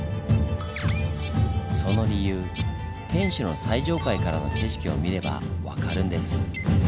その理由天守の最上階からの景色を見れば分かるんです。